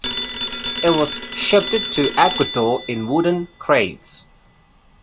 It was shipped to Ecuador in wooden crates.